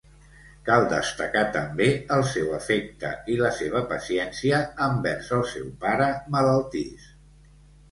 Cal destacar també el seu afecte i la seva paciència envers el seu pare malaltís.